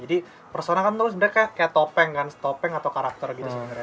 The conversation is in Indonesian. jadi persona kan sebenarnya kayak topeng kan topeng atau karakter gitu sebenarnya